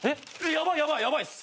ヤバいヤバいヤバいっす。